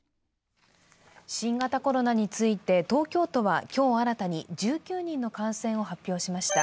新型コロナについて、東京都は今日新たに１９人の感染を発表しました。